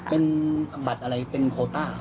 เป็นบัตรอะไรเป็นโคต้า